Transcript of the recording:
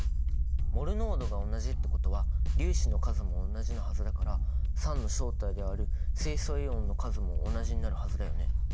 モル濃度が同じってことは粒子の数もおんなじなはずだから酸の正体である水素イオンの数も同じになるはずだよね？